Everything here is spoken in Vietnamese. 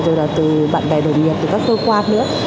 rồi là từ bạn bè đồng nghiệp từ các cơ quan nữa